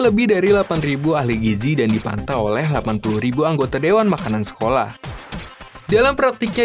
lebih dari delapan ribu ahli gizi dan dipantau oleh delapan puluh anggota dewan makanan sekolah dalam praktiknya